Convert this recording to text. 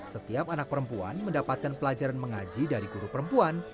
setiap anak perempuan mendapatkan pelajaran mengaji dari guru perempuan